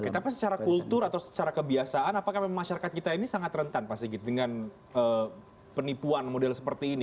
oke tapi secara kultur atau secara kebiasaan apakah memang masyarakat kita ini sangat rentan pak sigit dengan penipuan model seperti ini